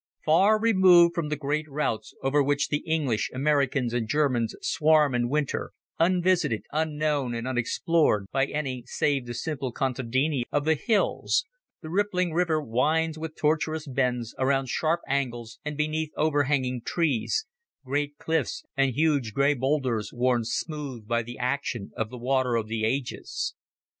Far removed from the great routes over which the English, Americans and Germans swarm in winter, unvisited, unknown and unexplored by any save the simple contadini of the hills, the rippling river winds with tortuous bends around sharp angles and beneath overhanging trees, great cliffs and huge grey boulders worn smooth by the action of the water of ages.